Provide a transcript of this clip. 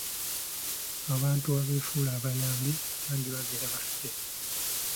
Abantu abeefuula abayambi bangi babeera bafere.